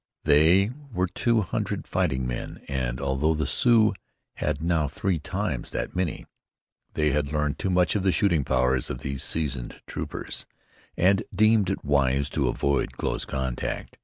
They were two hundred fighting men; and, although the Sioux had now three times that many, they had learned too much of the shooting powers of these seasoned troopers, and deemed it wise to avoid close contact.